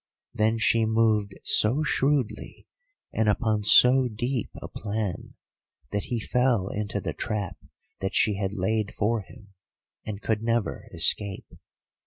Then she moved so shrewdly and upon so deep a plan that he fell into the trap that she had laid for him, and could never escape.